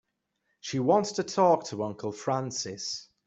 She wants to talk to Uncle Francis.